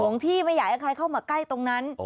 งที่ไม่อยากให้ใครเข้ามาใกล้ตรงนั้น